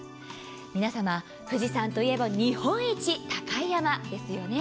皆様、富士山といえば日本一高い山ですよね。